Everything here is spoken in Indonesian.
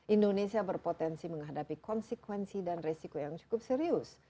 indonesia berpotensi menghadapi konsekuensi dan resiko yang cukup serius